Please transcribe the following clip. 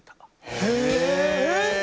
えっ！